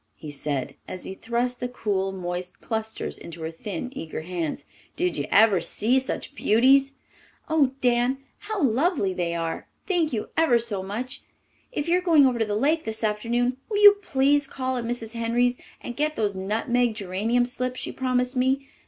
he said, as he thrust the cool, moist clusters into her thin, eager hands. "Did you ever see such beauties?" "Oh, Dan, how lovely they are! Thank you ever so much! If you are going over to the Lake this afternoon, will you please call at Mrs. Henny's and get those nutmeg geranium slips she promised me?